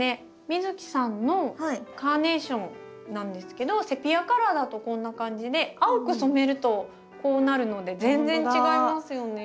美月さんのカーネーションなんですけどセピアカラーだとこんな感じで青く染めるとこうなるので全然違いますよね。